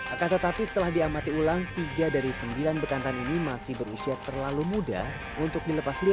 akan tetapi setelah diamati ulang tiga dari sembilan bekantan ini masih berusia terlalu muda untuk dilepas liar